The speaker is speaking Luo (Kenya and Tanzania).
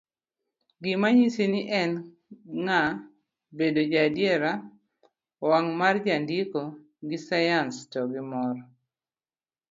gi manyiso ni en ng'a, bedo jaadiera, wang' marjandiko gi sayans to gimor